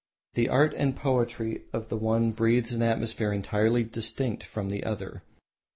The art and poetry of the one breathes an atmosphere entirely distinct from that of the other.